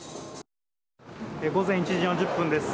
午前１時４０分です。